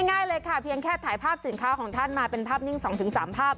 ง่ายเลยค่ะเพียงแค่ถ่ายภาพสินค้าของท่านมาเป็นภาพนิ่ง๒๓ภาพ